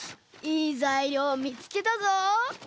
いいざいりょうみつけたぞ！